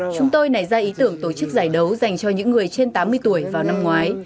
chúng tôi nảy ra ý tưởng tổ chức giải đấu dành cho những người trên tám mươi tuổi vào năm ngoái